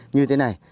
như thế này